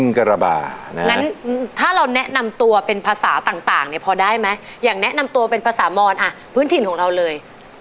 นัดกันแต่งชุดเหมือนกันไปหมดเลย